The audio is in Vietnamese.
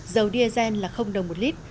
dầu diesel là đồng một lít